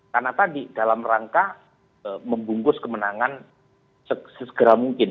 karena tadi dalam rangka membungkus kemenangan sesegara mungkin